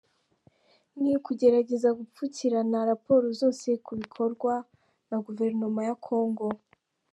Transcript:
Ni ukugerageza gupfukirana raporo zose ku bikorwa na Guverinoma ya Congo.